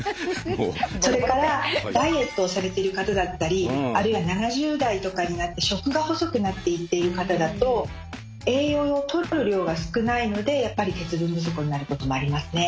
それからダイエットをされてる方だったりあるいは７０代とかになって食が細くなっていっている方だと栄養をとる量が少ないのでやっぱり鉄分不足になる時もありますね。